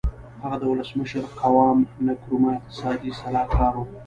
هغه د ولسمشر قوام نکرومه اقتصادي سلاکار و.